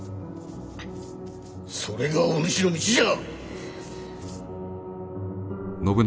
それがお主の道じゃ！